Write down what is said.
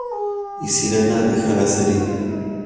Y Sirena deja la serie.